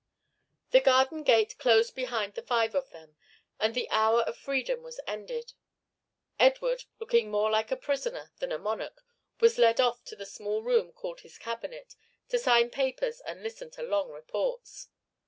The garden gate closed behind the five of them, and the hour of freedom was ended. Edward, looking more like a prisoner than a monarch, was led off to the small room called his cabinet to sign papers and listen to long reports.